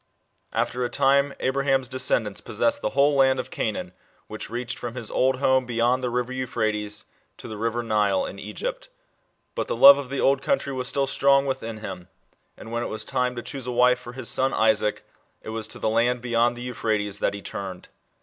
After a time Abraham's descendants possessed the whole land of Canaan, which reached from his old home beyond the river Euphrates to the river Nile in Egypt. But the lote of the* old country was still strong within him ; and when it was time to choose a wife for his son Isaac, it was to the land beyond the Euphrates that he turned.